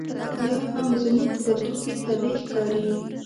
یا هم زموږ په کلتور کې پردۍ ښکاري.